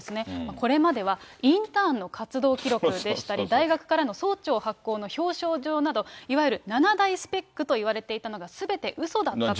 これまではインターンの活動記録でしたり、大学からの総長発行の表彰状など、いわゆる７大スペックといわれていたのがすべてうそだったと。